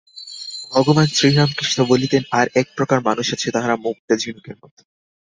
ভগবান শ্রীরামকৃষ্ণ বলিতেন আর এক প্রকার মানুষ আছে, তাহারা মুক্তা-ঝিনুকের মত।